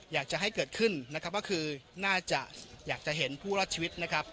อยากจะให้เกิดขึ้นนะครับก็คือน่าจะอยากจะเห็นผู้รอดชีวิตนะครับ